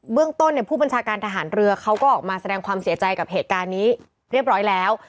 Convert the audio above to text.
เรื่องต้นเนี่ยผู้บัญชาการทหารเรือเขาก็ออกมาแสดงความเสียใจกับเหตุการณ์นี้เรียบร้อยแล้ว